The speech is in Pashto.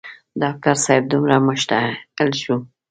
ډاکټر صاحب دومره مشتعل شو.